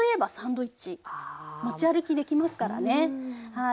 はい。